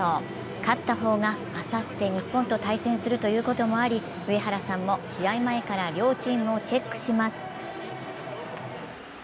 勝った方があさって日本と対戦するということもあり上原さんも試合前から両チームをチェックします。